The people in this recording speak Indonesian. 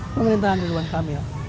pemerintahan ridwan kamil